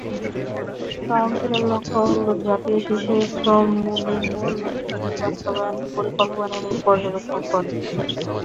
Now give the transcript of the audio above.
কাউন্সিলের লক্ষ্য হল জাতীয় শিশু শ্রম নির্মূল নীতি বাস্তবায়নের পরিকল্পনা এবং পর্যবেক্ষণ করা।